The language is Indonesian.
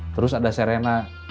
terus ada sirena